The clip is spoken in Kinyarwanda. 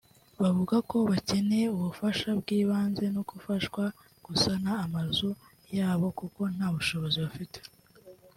Bavuga ko bakeneye ubufasha bw’ibanze no gufashwa gusana amazu yabo kuko nta bushobozi bafite